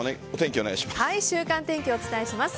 週間天気、お伝えします。